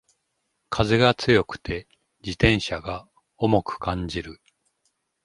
風が強くて自転車が重く感じる